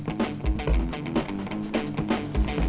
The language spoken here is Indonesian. kenapa bensinnya aneh